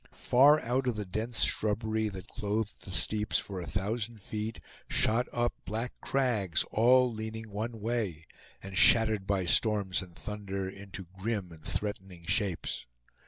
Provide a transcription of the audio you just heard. Far out of the dense shrubbery that clothed the steeps for a thousand feet shot up black crags, all leaning one way, and shattered by storms and thunder into grim and threatening shapes.